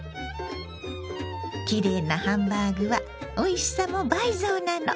きれいなハンバーグはおいしさも倍増なの。